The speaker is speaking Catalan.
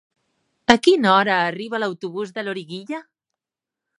A quina hora arriba l'autobús de Loriguilla?